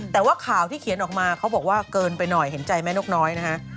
แต่ว่าข่าวที่เขียนออกมาเขาบอกว่าเกินไปหน่อยเห็นใจแม่นกน้อยนะฮะ